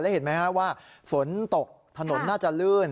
เห็นไหมครับว่าฝนตกถนนน่าจะลื่น